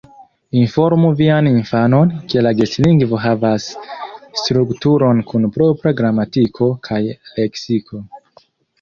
Informu vian infanon, ke la gestlingvo havas strukturon, kun propra gramatiko kaj leksiko.